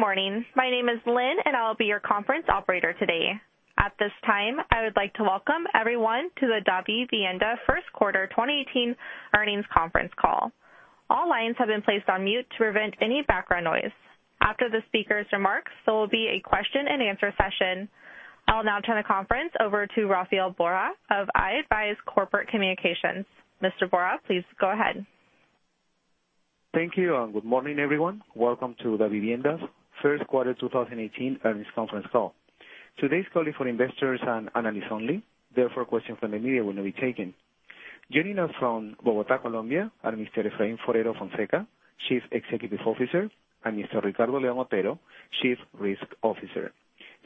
Good morning. My name is Lynn, and I'll be your conference operator today. At this time, I would like to welcome everyone to the Davivienda First Quarter 2018 Earnings Conference Call. All lines have been placed on mute to prevent any background noise. After the speaker's remarks, there will be a question and answer session. I'll now turn the conference over to Rafael Borja of iAdvise Corporate Communications. Mr. Borja, please go ahead. Thank you. Good morning, everyone. Welcome to Davivienda's First Quarter 2018 Earnings Conference Call. Today's call is for investors and analysts only, therefore, questions from the media will not be taken. Joining us from Bogotá, Colombia are Mr. Efraín Forero Fonseca, Chief Executive Officer, and Mr. Ricardo León Otero, Chief Risk Officer.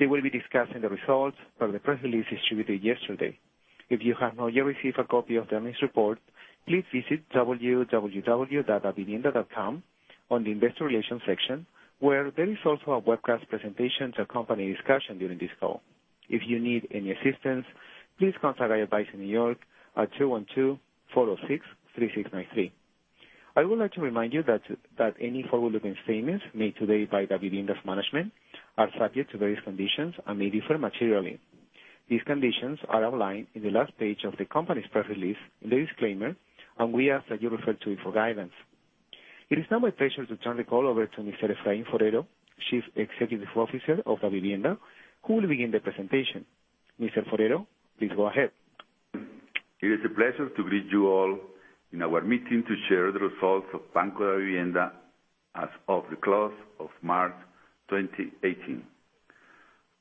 They will be discussing the results from the press release distributed yesterday. If you have not yet received a copy of the earnings report, please visit www.davivienda.com on the investor relations section, where there is also a webcast presentation to accompany discussion during this call. If you need any assistance, please contact iAdvise in New York at 212-406-3693. I would like to remind you that any forward-looking statements made today by Davivienda's management are subject to various conditions and may differ materially. These conditions are outlined on the last page of the company's press release in the disclaimer. We ask that you refer to it for guidance. It is now my pleasure to turn the call over to Mr. Efraín Forero, Chief Executive Officer of Davivienda, who will begin the presentation. Mr. Forero, please go ahead. It is a pleasure to greet you all in our meeting to share the results of Banco Davivienda as of the close of March 2018.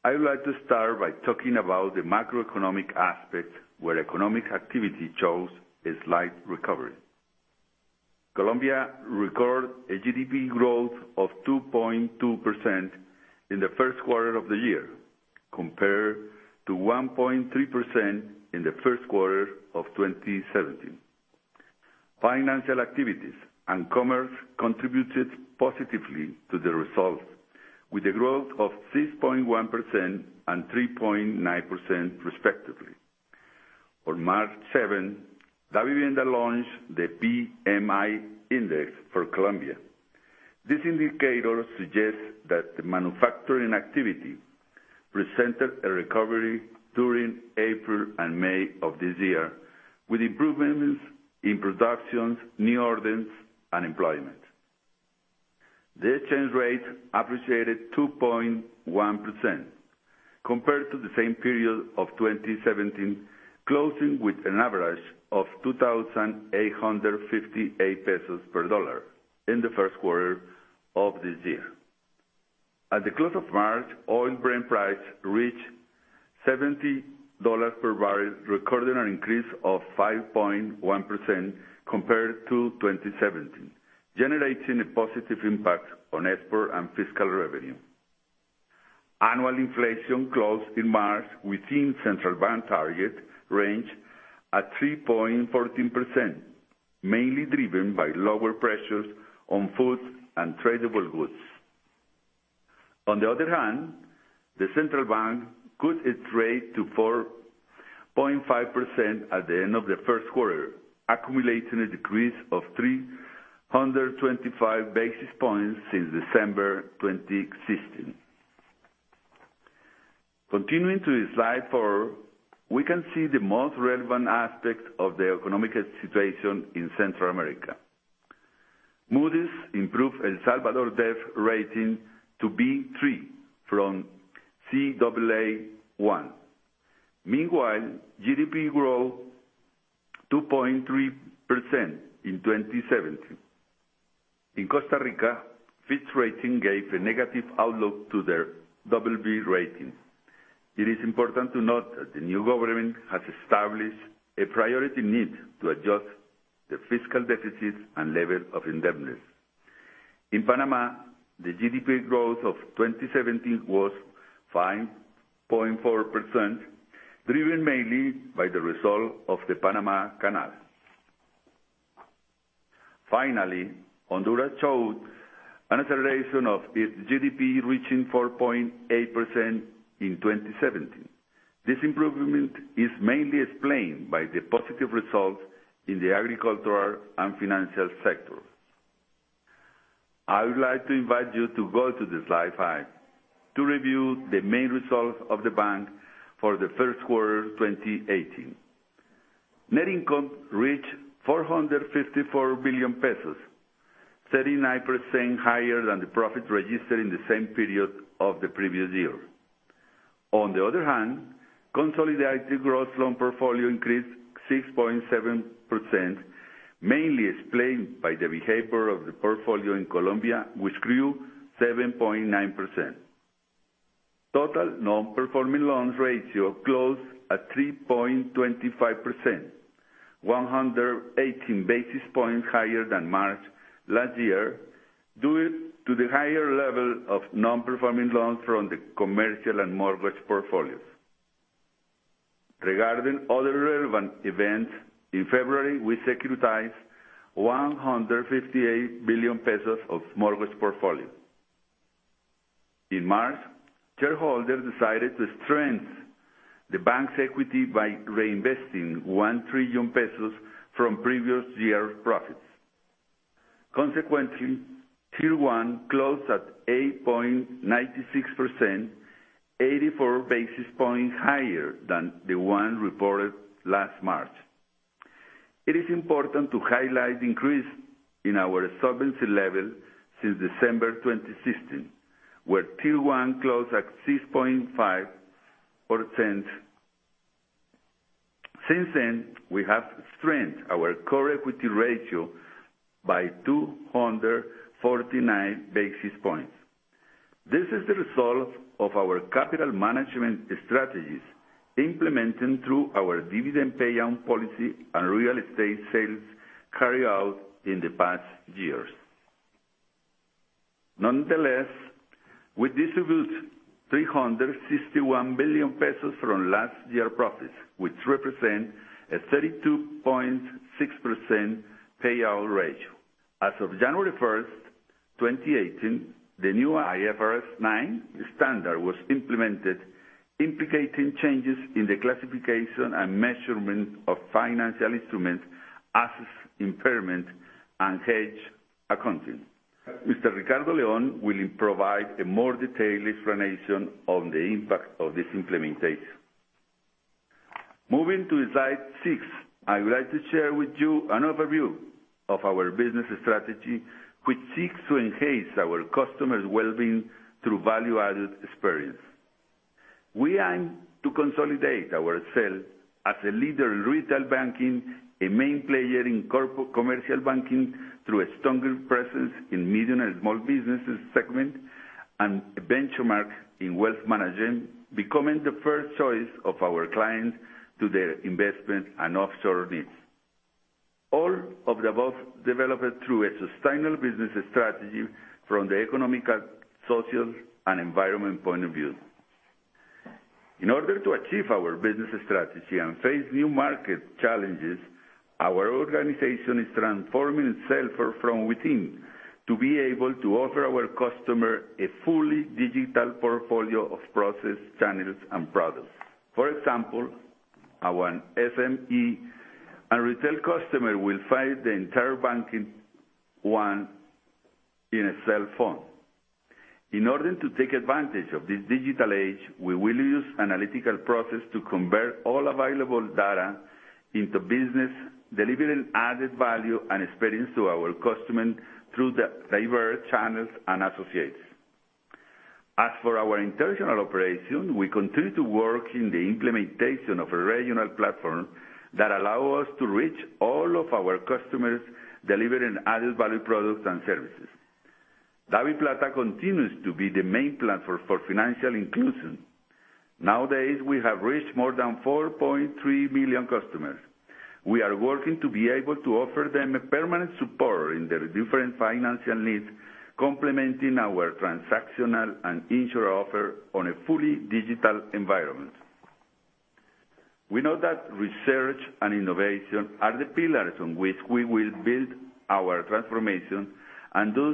I would like to start by talking about the macroeconomic aspect, where economic activity shows a slight recovery. Colombia recorded a GDP growth of 2.2% in the first quarter of the year, compared to 1.3% in the first quarter of 2017. Financial activities and commerce contributed positively to the results, with a growth of 6.1% and 3.9%, respectively. On March 7th, Davivienda launched the PMI Index for Colombia. This indicator suggests that the manufacturing activity presented a recovery during April and May of this year, with improvements in production, new orders, and employment. The exchange rate appreciated 2.1% compared to the same period of 2017, closing with an average of COP 2,858 per dollar in the first quarter of this year. At the close of March, oil Brent price reached COP 70 per barrel, recording an increase of 5.1% compared to 2017, generating a positive impact on export and fiscal revenue. Annual inflation closed in March within Central Bank target range at 3.14%, mainly driven by lower pressures on food and tradable goods. On the other hand, the Central Bank cut its rate to 4.5% at the end of the first quarter, accumulating a decrease of 325 basis points since December 2016. Continuing to slide four, we can see the most relevant aspect of the economic situation in Central America. Moody's improved El Salvador debt rating to B3 from Caa1. Meanwhile, GDP grew 2.3% in 2017. In Costa Rica, Fitch Ratings gave a negative outlook to their BB rating. It is important to note that the new government has established a priority need to adjust the fiscal deficit and level of indebtedness. In Panama, the GDP growth of 2017 was 5.4%, driven mainly by the result of the Panama Canal. Finally, Honduras showed an acceleration of its GDP, reaching 4.8% in 2017. This improvement is mainly explained by the positive results in the agricultural and financial sectors. I would like to invite you to go to slide five to review the main results of the bank for the first quarter of 2018. Net income reached COP 454 billion, 39% higher than the profit registered in the same period of the previous year. On the other hand, consolidated gross loan portfolio increased 6.7%, mainly explained by the behavior of the portfolio in Colombia, which grew 7.9%. Total non-performing loans ratio closed at 3.25%, 118 basis points higher than March last year, due to the higher level of non-performing loans from the commercial and mortgage portfolios. Regarding other relevant events, in February, we securitized COP 158 billion of mortgage portfolio. In March, shareholders decided to strengthen the bank's equity by reinvesting COP 1 trillion from previous year profits. Consequently, CET1 closed at 8.96%, 84 basis points higher than the one reported last March. It is important to highlight the increase in our solvency level since December 2016, where CET1 closed at 6.5%. Since then, we have strengthened our core equity ratio by 249 basis points. This is the result of our capital management strategies implemented through our dividend payout policy and real estate sales carried out in the past years. Nonetheless, we distributed COP 361 billion from last year's profits, which represent a 32.6% payout ratio. As of January 1st, 2018, the new IFRS 9 standard was implemented, implicating changes in the classification and measurement of financial instruments, assets, impairment, and hedge accounting. Mr. Ricardo León will provide a more detailed explanation on the impact of this implementation. Moving to slide six, I would like to share with you an overview of our business strategy, which seeks to enhance our customers' well-being through value-added experience. We aim to consolidate ourselves as a leader in retail banking, a main player in commercial banking through a stronger presence in medium and small businesses segment, and a benchmark in wealth management, becoming the first choice of our clients to their investment and offshore needs. All of the above developed through a sustainable business strategy from the economic, social, and environmental point of view. In order to achieve our business strategy and face new market challenges, our organization is transforming itself from within to be able to offer our customer a fully digital portfolio of process channels and products. For example, our SME and retail customer will find the entire banking, one in a cell phone. In order to take advantage of this digital age, we will use analytical process to convert all available data into business, delivering added-value and experience to our customers through the diverse channels and associates. As for our international operation, we continue to work in the implementation of a regional platform that allows us to reach all of our customers, delivering added-value products and services. Daviplata continues to be the main platform for financial inclusion. Nowadays, we have reached more than 4.3 million customers. We are working to be able to offer them permanent support in their different financial needs, complementing our transactional and insurer offer on a fully digital environment. Thus,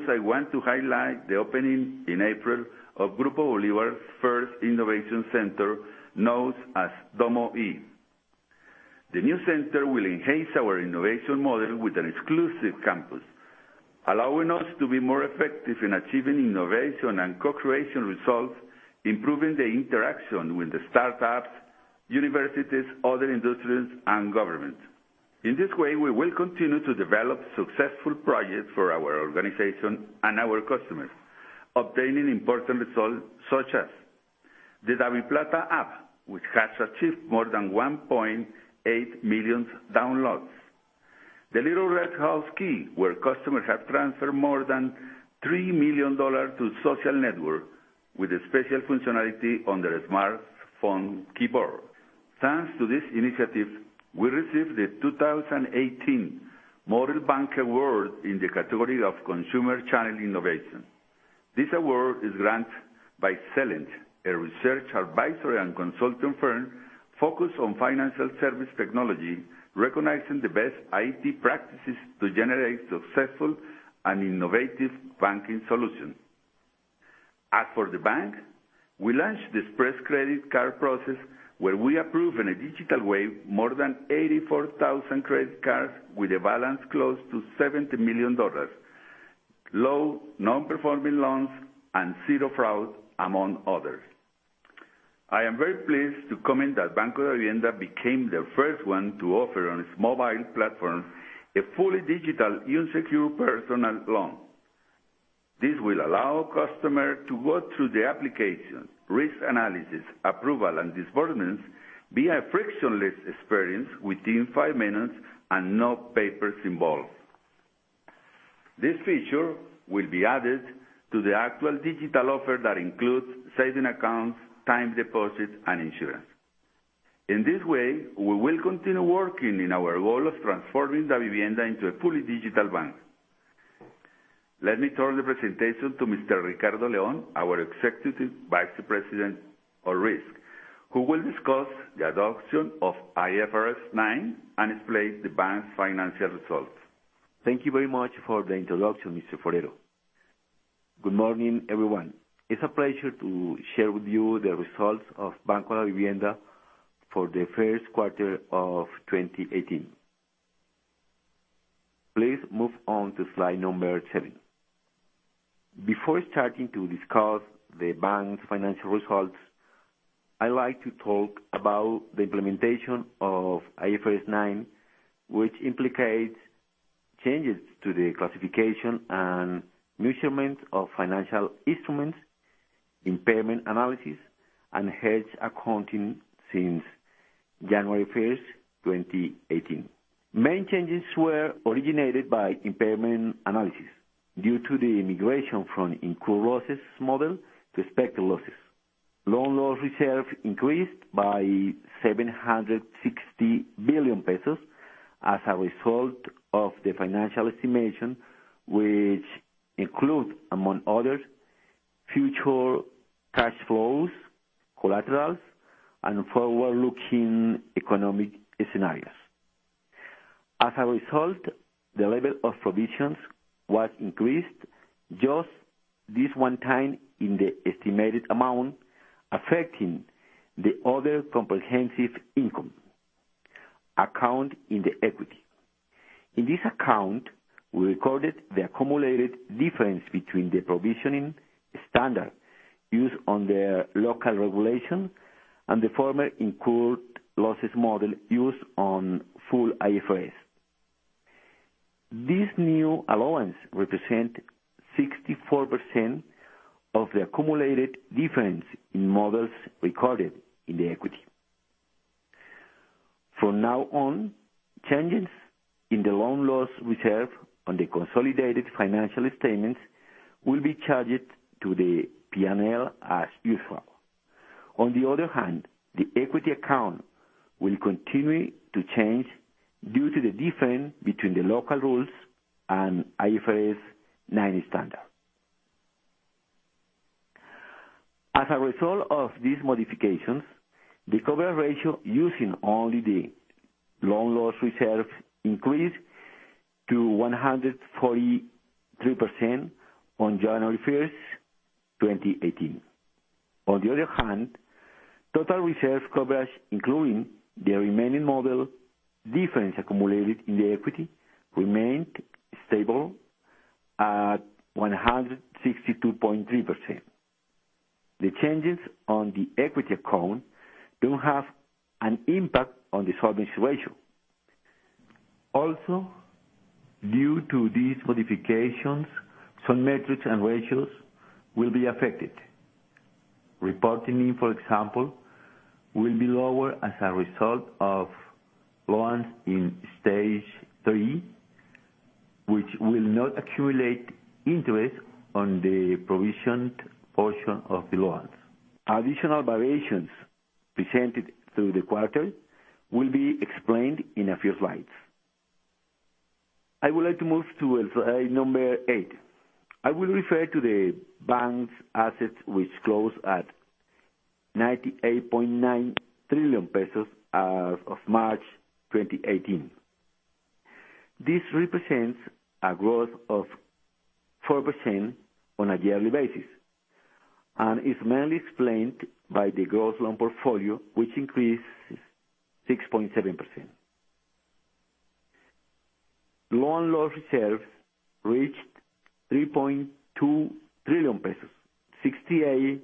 I want to highlight the opening in April of Grupo Bolívar's first innovation center, known as Domo i. The new center will enhance our innovation model with an exclusive campus, allowing us to be more effective in achieving innovation and co-creation results, improving the interaction with the startups, universities, other industries, and government. In this way, we will continue to develop successful projects for our organization and our customers, obtaining important results such as the Daviplata app, which has achieved more than 1.8 million downloads. La Llavecita Roja, where customers have transferred more than COP 3 million to social network with a special functionality on their smartphone keyboard. Thanks to this initiative, we received the 2018 Model Bank Award in the category of consumer channel innovation. This award is granted by Celent, a research advisory and consulting firm focused on financial service technology, recognizing the best IT practices to generate successful and innovative banking solutions. As for the bank, we launched the express credit card process where we approve in a digital way more than 84,000 credit cards with a balance close to COP 70 billion, low non-performing loans, and zero fraud, among others. I am very pleased to comment that Banco Davivienda became the first one to offer on its mobile platform a fully digital, unsecured personal loan. This will allow customers to go through the application, risk analysis, approval, and disbursements via a frictionless experience within five minutes and no papers involved. This feature will be added to the actual digital offer that includes saving accounts, time deposits, and insurance. In this way, we will continue working in our role of transforming Davivienda into a fully digital bank. Let me turn the presentation to Mr. Ricardo León, our Executive Vice President of Risk, who will discuss the adoption of IFRS 9 and explain the bank's financial results. Thank you very much for the introduction, Mr. Forero. Good morning, everyone. It's a pleasure to share with you the results of Banco Davivienda for the first quarter of 2018. Please move on to slide number seven. Before starting to discuss the bank's financial results, I like to talk about the implementation of IFRS 9, which implicates changes to the classification and measurement of financial instruments, impairment analysis, and hedge accounting since January 1st, 2018. Main changes were originated by impairment analysis due to the immigration from incurred losses model to expected losses. Loan loss reserve increased by COP 760 billion as a result of the financial estimation, which include, among others, future cash flows, collaterals, and forward-looking economic scenarios. As a result, the level of provisions was increased just this one time in the estimated amount, affecting the other comprehensive income account in the equity. In this account, we recorded the accumulated difference between the provisioning standard used on the local regulation and the former incurred losses model used on full IFRS. This new allowance represent 64% of the accumulated difference in models recorded in the equity. From now on, changes in the loan loss reserve on the consolidated financial statements will be charged to the P&L as usual. On the other hand, the equity account will continue to change due to the difference between the local rules and IFRS 9 standard. As a result of these modifications, the coverage ratio using only the loan loss reserve increased to 143% on January 1st, 2018. On the other hand, total reserve coverage, including the remaining model difference accumulated in the equity, remained stable at 162.3%. The changes on the equity account don't have an impact on the solvency ratio. Due to these modifications, some metrics and ratios will be affected. Reporting, for example, will be lower as a result of loans in stage 3, which will not accumulate interest on the provisioned portion of the loans. Additional variations presented through the quarter will be explained in a few slides. I would like to move to slide number eight. I will refer to the bank's assets, which closed at COP 98.9 trillion as of March 2018. This represents a growth of 4% on a yearly basis and is mainly explained by the gross loan portfolio, which increased 6.7%. Loan loss reserves reached COP 3.2 trillion, 68%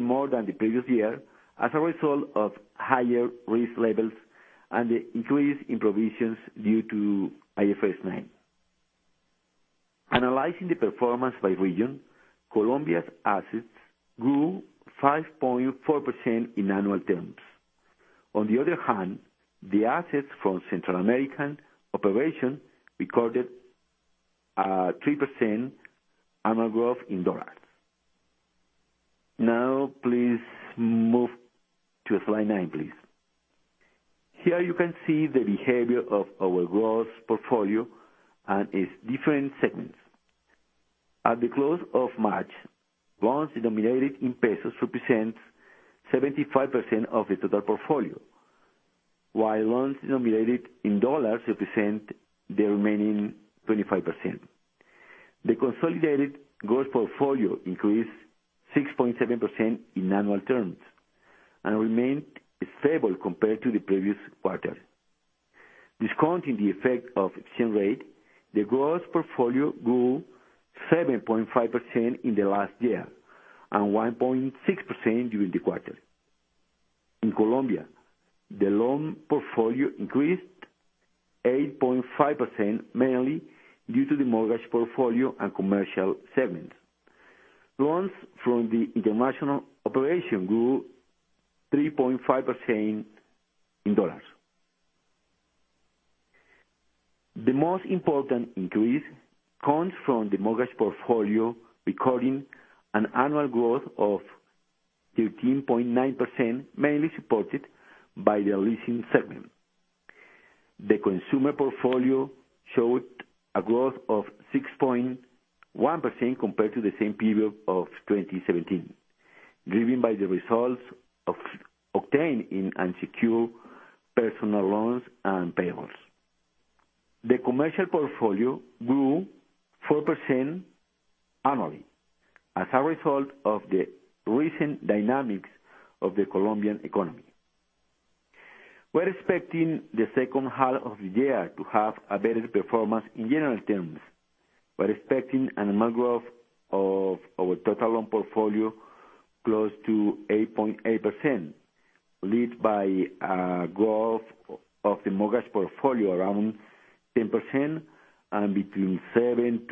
more than the previous year, as a result of higher risk levels and the increase in provisions due to IFRS 9. Analyzing the performance by region, Colombia's assets grew 5.4% in annual terms. The assets from Central American operation recorded a 3% annual growth in USD. Please move to slide nine. Here you can see the behavior of our gross portfolio and its different segments. At the close of March, loans denominated in pesos represent 75% of the total portfolio. While loans denominated in USD represent the remaining 25%. The consolidated gross portfolio increased 6.7% in annual terms and remained stable compared to the previous quarter. Discounting the effect of exchange rate, the gross portfolio grew 7.5% in the last year and 1.6% during the quarter. In Colombia, the loan portfolio increased 8.5%, mainly due to the mortgage portfolio and commercial segment. Loans from the international operation grew 3.5% in USD. The most important increase comes from the mortgage portfolio recording an annual growth of 13.9%, mainly supported by the leasing segment. The consumer portfolio showed a growth of 6.1% compared to the same period of 2017, driven by the results obtained in unsecured personal loans and payrolls. The commercial portfolio grew 4% annually as a result of the recent dynamics of the Colombian economy. We're expecting the second half of the year to have a better performance in general terms. We're expecting an annual growth of our total loan portfolio close to 8.8%, lead by growth of the mortgage portfolio, around 10%, and between 7%-8%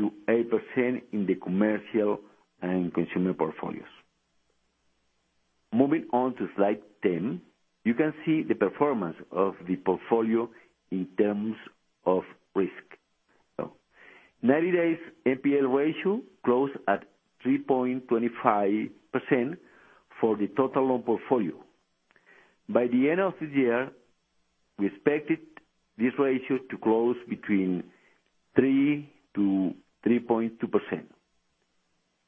in the commercial and consumer portfolios. Moving on to slide 10, you can see the performance of the portfolio in terms of risk. 90-days NPL ratio closed at 3.25% for the total loan portfolio. By the end of this year, we expected this ratio to close between 3%-3.2%.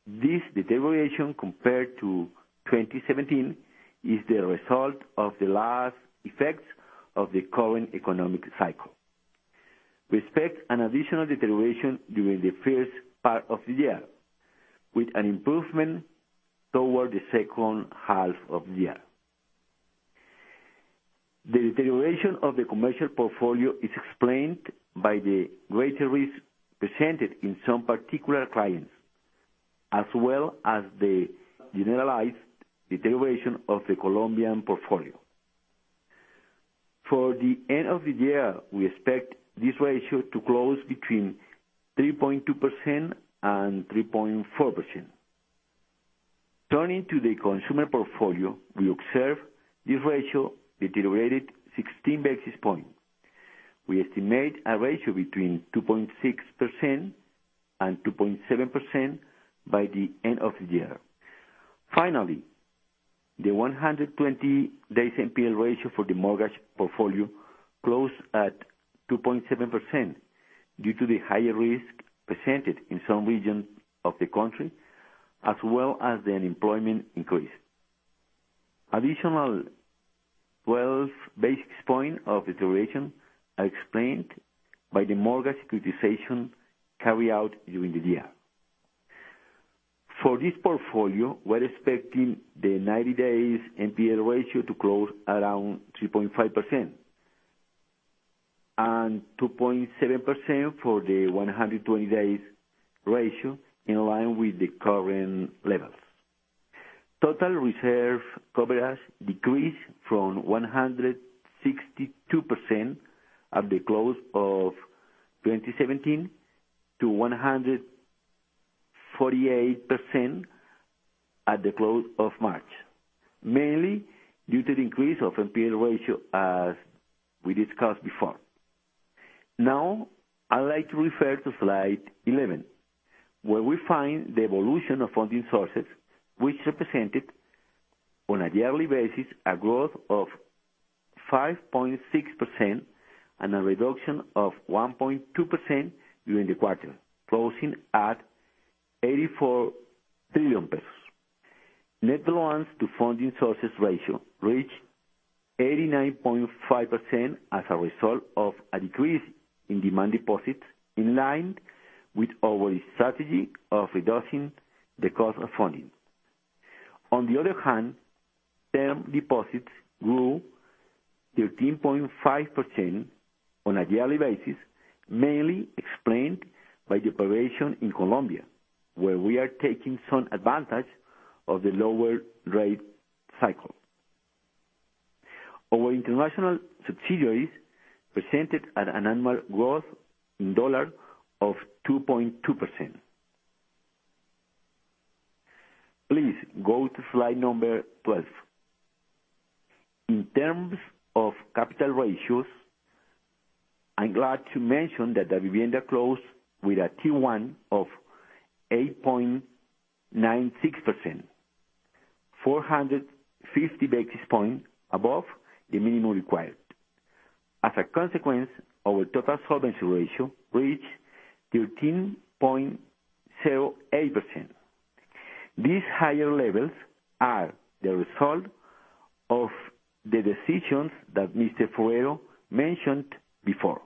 This deterioration compared to 2017 is the result of the last effects of the current economic cycle. We expect an additional deterioration during the first part of the year, with an improvement toward the second half of the year. The deterioration of the commercial portfolio is explained by the greater risk presented in some particular clients, as well as the generalized deterioration of the Colombian portfolio. For the end of the year, we expect this ratio to close between 3.2% and 3.4%. Turning to the consumer portfolio, we observe this ratio deteriorated 16 basis points. We estimate a ratio between 2.6% and 2.7% by the end of the year. Finally, the 120-days NPL ratio for the mortgage portfolio closed at 2.7% due to the higher risk presented in some regions of the country, as well as the unemployment increase. Additional 12 basis points of deterioration are explained by the mortgage securitization carried out during the year. For this portfolio, we're expecting the 90-days NPL ratio to close around 3.5%, and 2.7% for the 120 days ratio, in line with the current levels. Total reserve coverage decreased from 162% at the close of 2017 to 148% at the close of March, mainly due to the increase of NPL ratio as we discussed before. Now, I'd like to refer to slide 11, where we find the evolution of funding sources, which represented, on a yearly basis, a growth of 5.6% and a reduction of 1.2% during the quarter, closing at COP 84 trillion. Net loans to funding sources ratio reached 89.5% as a result of a decrease in demand deposits, in line with our strategy of reducing the cost of funding. On the other hand, term deposits grew 13.5% on a yearly basis, mainly explained by the operation in Colombia, where we are taking some advantage of the lower rate cycle. Our international subsidiaries presented an annual growth in USD of 2.2%. Please go to slide number 12. In terms of capital ratios, I'm glad to mention that Davivienda closed with a T1 of 8.96%, 450 basis points above the minimum required. As a consequence, our total solvency ratio reached 13.08%. These higher levels are the result of the decisions that Mr. Forero mentioned before.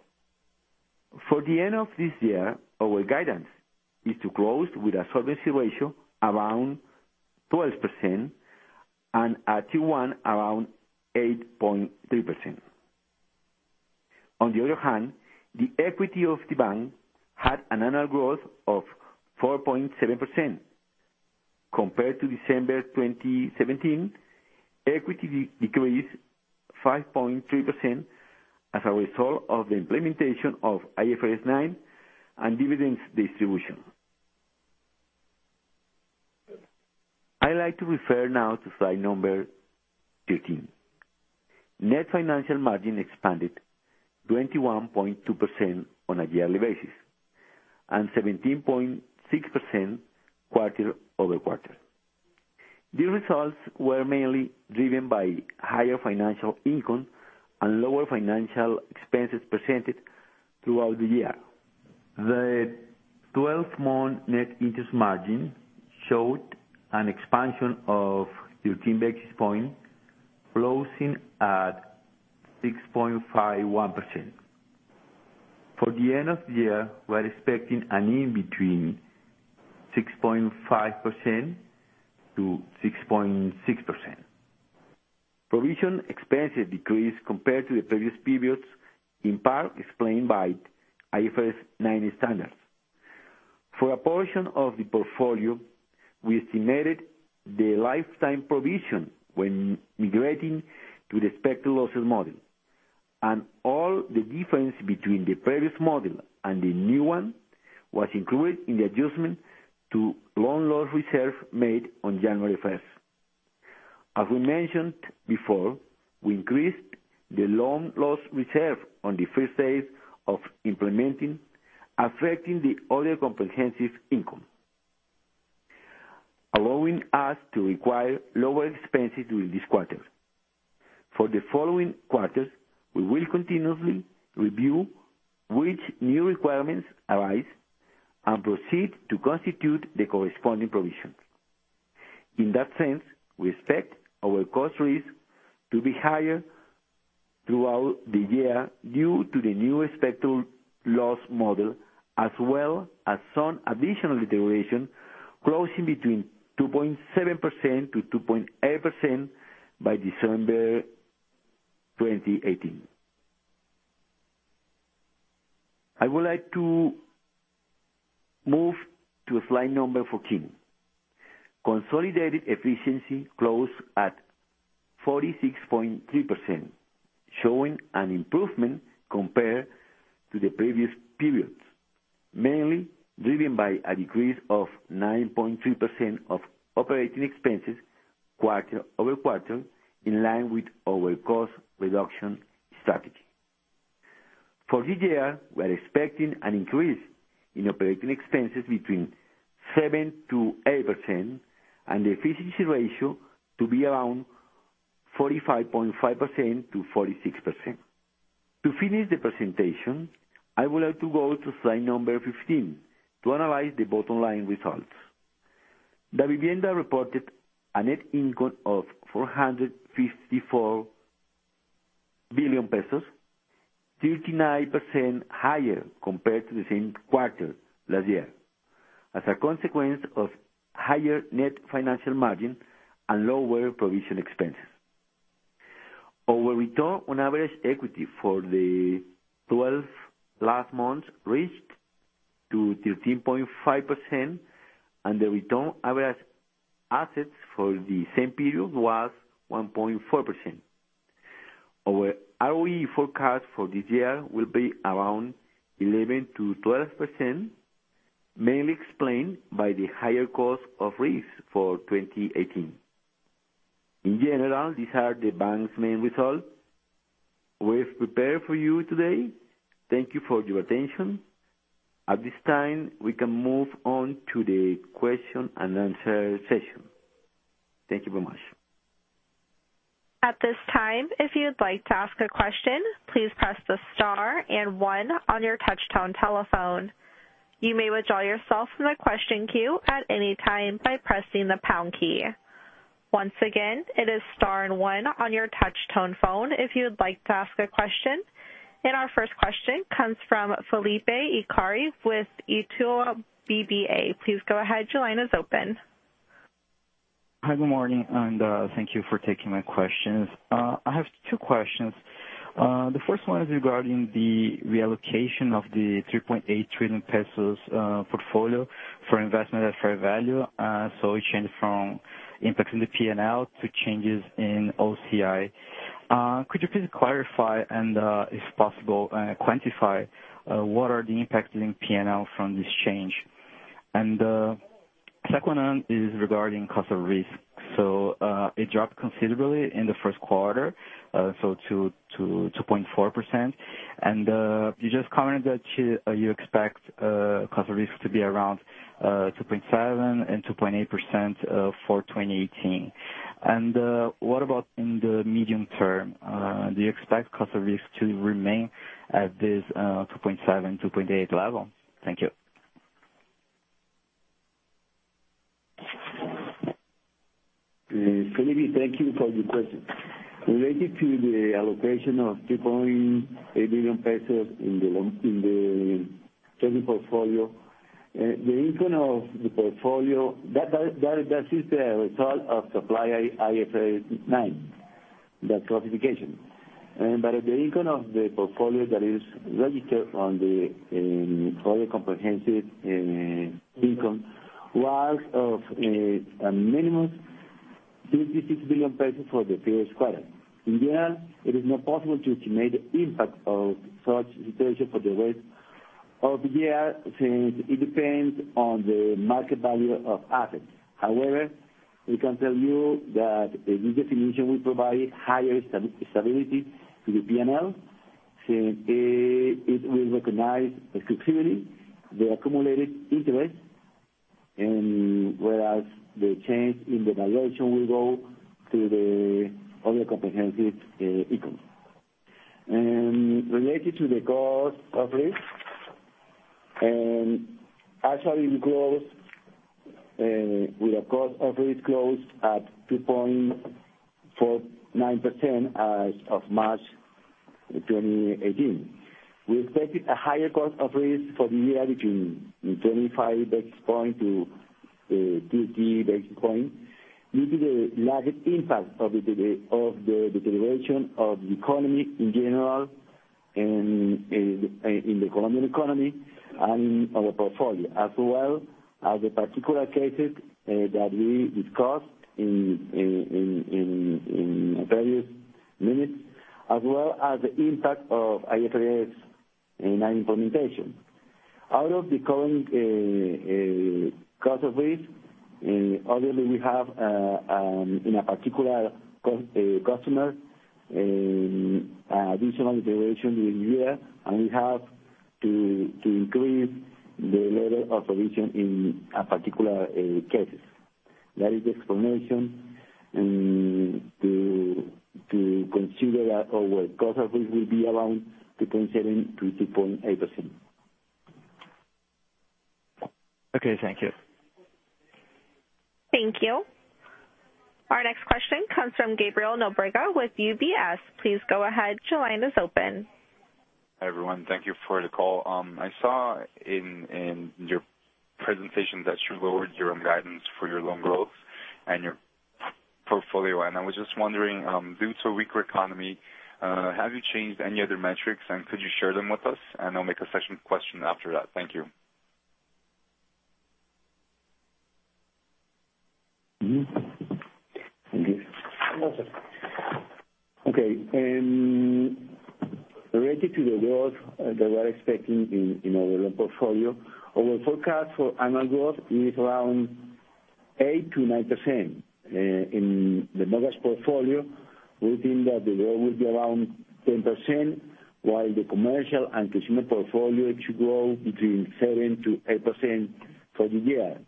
For the end of this year, our guidance is to close with a solvency ratio around 12% and a T1 around 8.3%. On the other hand, the equity of the bank had an annual growth of 4.7%. Compared to December 2017, equity decreased 5.3% as a result of the implementation of IFRS 9 and dividends distribution. I'd like to refer now to slide number 13. Net financial margin expanded 21.2% on a year-over-year basis and 17.6% quarter-over-quarter. These results were mainly driven by higher financial income and lower financial expenses presented throughout the year. The 12-month net interest margin showed an expansion of 13 basis points, closing at 6.51%. For the end of the year, we are expecting an in between 6.5%-6.6%. Provision expenses decreased compared to the previous periods, in part explained by IFRS 9 standards. For a portion of the portfolio, we estimated the lifetime provision when migrating to the expected losses model, and all the difference between the previous model and the new one was included in the adjustment to loan loss reserve made on January 1st. As we mentioned before, we increased the loan loss reserve on the first phase of implementing, affecting the other comprehensive income, allowing us to require lower expenses during this quarter. For the following quarters, we will continuously review which new requirements arise and proceed to constitute the corresponding provisions. In that sense, we expect our cost of risk to be higher throughout the year due to the new expected loss model, as well as some additional deterioration closing between 2.7%-2.8% by December 2018. I would like to move to slide number 14. Consolidated efficiency closed at 46.3%, showing an improvement compared to the previous periods, mainly driven by a decrease of 9.3% of operating expenses quarter-over-quarter, in line with our cost reduction strategy. For the year, we are expecting an increase in operating expenses between 7%-8% and the efficiency ratio to be around 45.5%-46%. To finish the presentation, I would like to go to slide number 15 to analyze the bottom line results. Davivienda reported a net income of COP 454 billion, 39% higher compared to the same quarter last year, as a consequence of higher net financial margin and lower provision expenses. Our ROE for the 12 last months reached to 13.5%, and the return on average assets for the same period was 1.4%. Our ROE forecast for this year will be around 11%-12%, mainly explained by the higher cost of risk for 2018. In general, these are the bank's main results we've prepared for you today. Thank you for your attention. At this time, we can move on to the question and answer session. Thank you very much. At this time, if you'd like to ask a question, please press the star and one on your touch tone telephone. You may withdraw yourself from the question queue at any time by pressing the pound key. Once again, it is star and one on your touch tone phone if you'd like to ask a question. Our first question comes from Felipe Icari with Itaú BBA. Please go ahead. Your line is open. Hi. Good morning, thank you for taking my questions. I have two questions. The first one is regarding the reallocation of the COP 3.8 trillion portfolio for investment at fair value. It changed from impact in the P&L to changes in OCI. Could you please clarify and, if possible, quantify what are the impacts in P&L from this change? The second one is regarding cost of risk. It dropped considerably in the first quarter, to 2.4%, and you just commented that you expect cost of risk to be around 2.7% and 2.8% for 2018. What about in the medium term? Do you expect cost of risk to remain at this 2.7%, 2.8% level? Thank you. Felipe, thank you for your question. Related to the allocation of COP 3.8 billion in the trading portfolio, the income of the portfolio, that is the result of supply IFRS 9, that classification. The income of the portfolio that is registered on the other comprehensive income was of a minimum COP 36 billion for the previous quarter. In the end, it is not possible to estimate the impact of such situation for the rest of the year, since it depends on the market value of assets. However, we can tell you that the new definition will provide higher stability to the P&L, since it will recognize exclusively the accumulated interest whereas the change in the valuation will go to the other comprehensive income. Related to the cost of risk, actually we closed with a cost of risk at 2.49% as of March 2018. We expected a higher cost of risk for the year between 25 basis points to 50 basis points due to the lagged impact of the deterioration of the economy in general and in the Colombian economy and our portfolio, as well as the particular cases that we discussed in the previous minutes, as well as the impact of IFRS 9 implementation. Out of the current cost of risk, obviously we have in a particular customer, additional deterioration during the year, and we have to increase the level of provision in particular cases. That is the explanation to consider that our cost of risk will be around 2.7% to 2.8%. Okay, thank you. Thank you. Our next question comes from Gabriel Nobrega with UBS. Please go ahead. Your line is open. Hi, everyone. Thank you for the call. I saw in your presentation that you lowered your guidance for your loan growth and your portfolio. I was just wondering, due to weaker economy, have you changed any other metrics and could you share them with us. I'll make a second question after that. Thank you. Okay. Related to the growth that we're expecting in our loan portfolio, our forecast for annual growth is around 8%-9%. In the mortgage portfolio, we think that the growth will be around 10%, while the commercial and consumer portfolio should grow between 7%-8% for the year.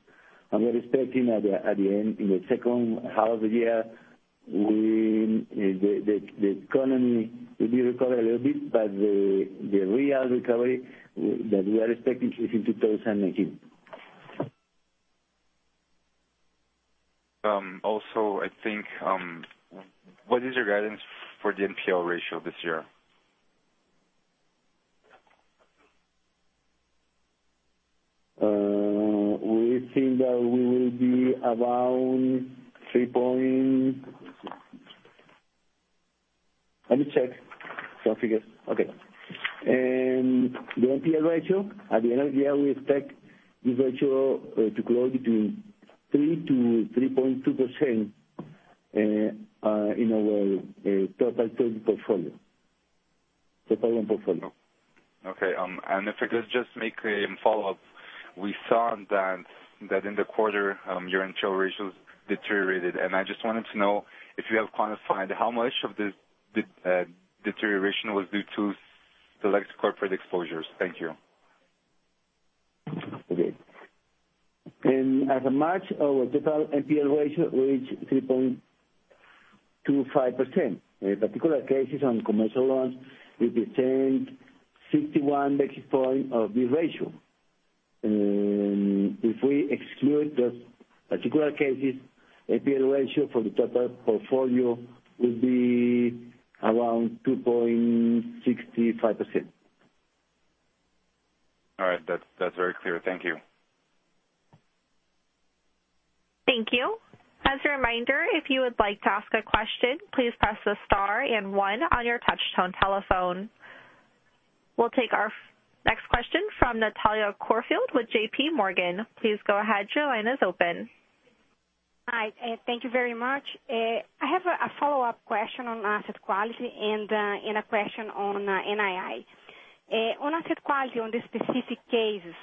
We are expecting at the end, in the second half of the year, the economy will be recovered a little bit, but the real recovery that we are expecting is in 2019. Also, I think, what is your guidance for the NPL ratio this year? Let me check some figures. Okay. The NPL ratio, at the end of the year, we expect the ratio to close between 3%-3.2% in our total trade portfolio. Total loan portfolio. Okay. If I could just make a follow-up. We saw that in the quarter, your NPL ratios deteriorated, and I just wanted to know if you have quantified how much of the deterioration was due to select corporate exposures. Thank you. Okay. As of March, our total NPL ratio reached 3.25%. Particular cases on commercial loans represented 61 basis points of the ratio. If we exclude those particular cases, NPL ratio for the total portfolio will be around 2.65%. All right. That's very clear. Thank you. Thank you. As a reminder, if you would like to ask a question, please press the star 1 on your touch tone telephone. We'll take our next question from Natalia Corfield with J.P. Morgan. Please go ahead. Your line is open. Hi, thank you very much. I have a follow-up question on asset quality and a question on NII. On asset quality on the specific cases,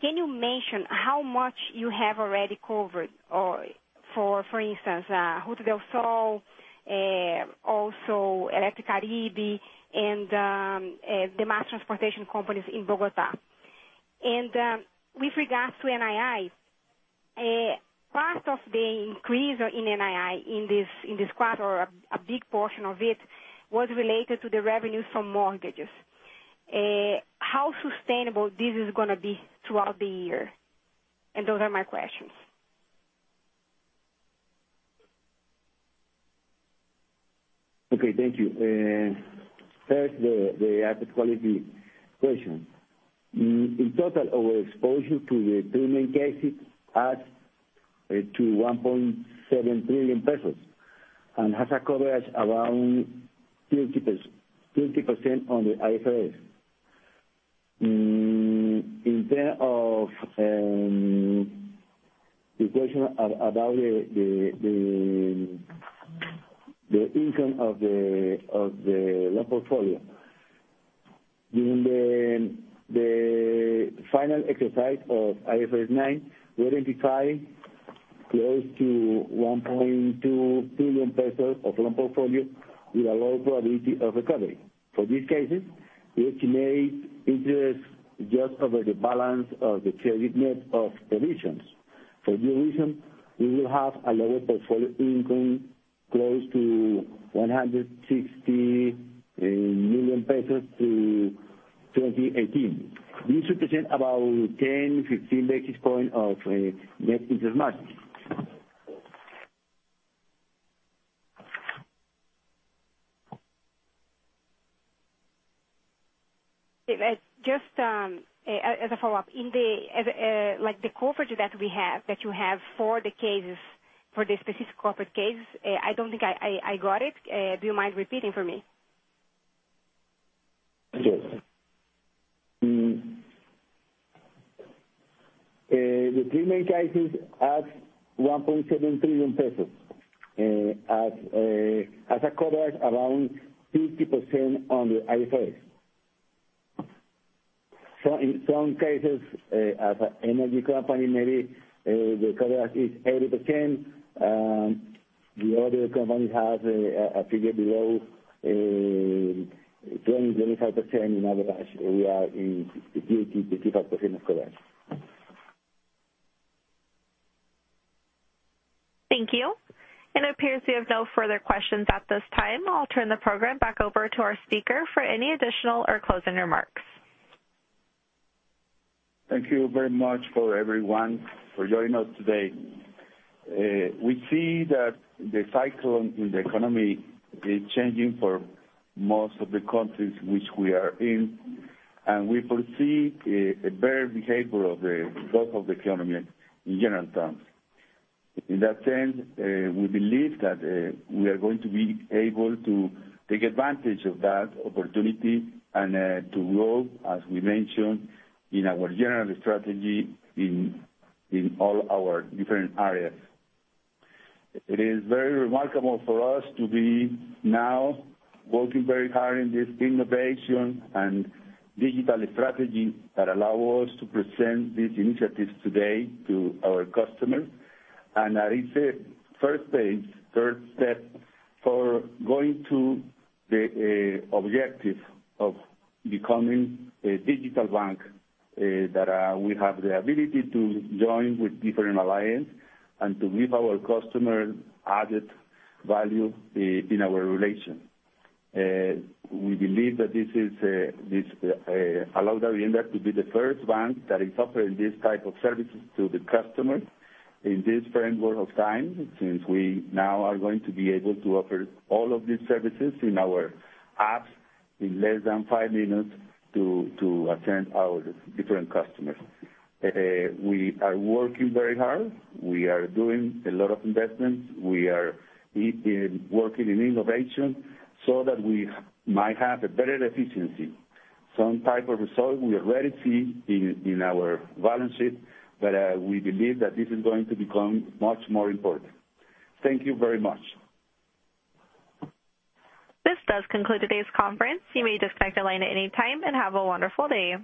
can you mention how much you have already covered or for instance, Ruta del Sol, also Electricaribe and the mass transportation companies in Bogotá. With regards to NII, part of the increase in NII in this quarter, a big portion of it was related to the revenues from mortgages. How sustainable this is gonna be throughout the year? Those are my questions. Okay. Thank you. First, the asset quality question. In total, our exposure to the three main cases adds to COP 1.7 trillion and has a coverage around 50% on the IFRS. In terms of the question about the income of the loan portfolio. During the final exercise of IFRS 9, we identify Close to COP 1.2 trillion of loan portfolio with a low probability of recovery. For these cases, we estimate interest just over the balance of the credit net of provisions. For this reason, we will have a lower portfolio income close to COP 160 million to 2018. This represents about 10, 15 basis points of net interest margin. Just as a follow-up. The coverage that you have for the specific corporate cases, I don't think I got it. Do you mind repeating for me? Yes. The three main cases has COP 1.7 trillion, has a coverage around 50% on the IFRS. In some cases, as an energy company, maybe the coverage is 80%. The other companies have a figure below 20%-25%. On average, we are in 50%-55% of coverage. Thank you. It appears we have no further questions at this time. I'll turn the program back over to our speaker for any additional or closing remarks. Thank you very much for everyone for joining us today. We see that the cycle in the economy is changing for most of the countries which we are in, and we foresee a better behavior of the growth of the economy in general terms. In that sense, we believe that we are going to be able to take advantage of that opportunity and to grow, as we mentioned, in our general strategy in all our different areas. It is very remarkable for us to be now working very hard in this innovation and digital strategy that allow us to present these initiatives today to our customers. That is the first stage, first step for going to the objective of becoming a digital bank, that we have the ability to join with different alliance and to give our customers added value in our relation. We believe that this allow Davivienda to be the first bank that is offering this type of services to the customer in this framework of time, since we now are going to be able to offer all of these services in our apps in less than five minutes to attend our different customers. We are working very hard. We are doing a lot of investments. We are working in innovation so that we might have a better efficiency. Some type of result we already see in our balance sheet, but we believe that this is going to become much more important. Thank you very much. This does conclude today's conference. You may disconnect the line at any time, and have a wonderful day.